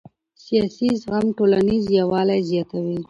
سیاسي زغم ټولنیز یووالی زیاتوي